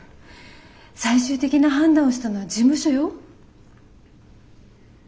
最終的な判断をしたのは事務所よ。